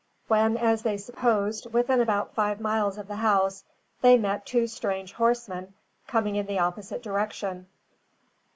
When, as they supposed, within about five miles of the house, they met two strange horsemen coming in the opposite direction.